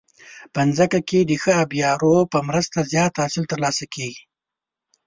په ځمکه کې د ښه آبيارو په مرسته زیات حاصل ترلاسه کیږي.